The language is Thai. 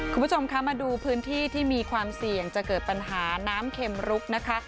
คุณผู้ชมคะมาดูพื้นที่ที่มีความเสี่ยงจะเกิดปัญหาน้ำเข็มรุกนะคะ